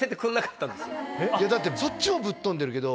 だってそっちもぶっ飛んでるけど。